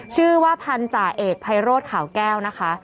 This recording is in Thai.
ชื่อว่าพันตยาเอกร์ไพโรชขาวแก้วนะคะ